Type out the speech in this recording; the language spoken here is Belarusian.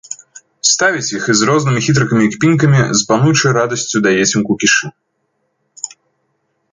Ставіць іх і з рознымі хітрыкамі і кпінкамі, з пануючай радасцю даець ім кукішы.